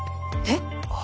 えっ！？